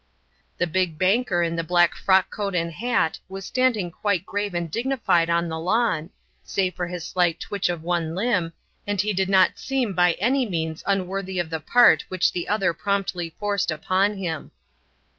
The big banker in the black frock coat and hat was standing quite grave and dignified on the lawn, save for his slight twitch of one limb, and he did not seem by any means unworthy of the part which the other promptly forced upon him.